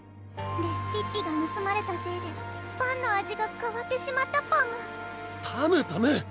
レシピッピがぬすまれたせいでパンの味がかわってしまったパムパムパム！